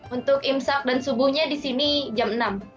untuk imsak dan subuhnya di sini jam enam